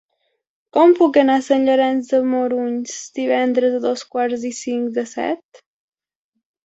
Com puc anar a Sant Llorenç de Morunys divendres a dos quarts i cinc de set?